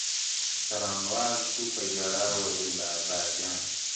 o څارنوال سو په ژړا ویل بابا جانه,